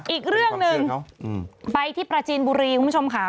อีกเรื่องหนึ่งไปที่ปราจีนบุรีคุณผู้ชมค่ะ